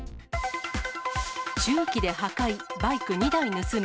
重機で破壊、バイク２台盗む。